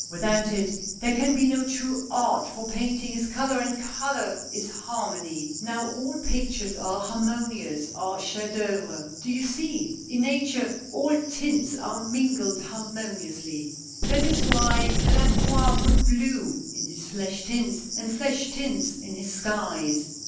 Without it, there can be no true art, for painting is color, and color is harmony. Now all pictures that are harmonious, are chef d' oeuvres — do you see ? In Nature, all tints are mingled harmoniously. That is why Delacroix put blue in his flesh tints, and flesh tints in his skies.